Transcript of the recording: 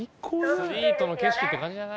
スイートの景色って感じだな！